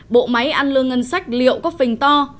bộ máy ăn lương ngân sách liệu có phình to